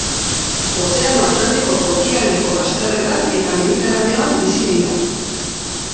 Ozeano Atlantikoko ekialdeko bazterretan eta Mediterraneoan bizi dira.